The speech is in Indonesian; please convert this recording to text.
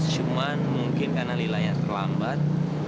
cuma mungkin karena lilanya terlambat